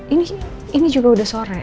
ini sih ini juga udah sore